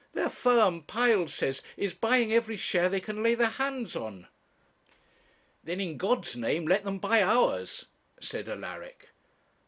Their firm, Piles says, is buying every share they can lay their hands on.' 'Then in God's name let them buy ours,' said Alaric.